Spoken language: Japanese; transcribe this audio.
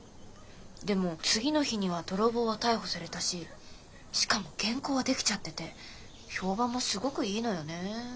でも次の日には泥棒は逮捕されたししかも原稿は出来ちゃってて評判もすごくいいのよねー。